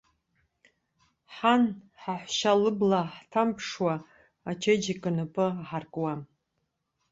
Ҳан, ҳаҳәшьа лыбла ҳҭамԥшуа, ачеиџьыка напы аҳаркуам.